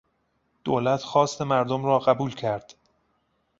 دولت خواست مردم را قبول کرد.